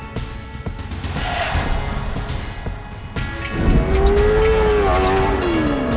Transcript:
kita harus berhenti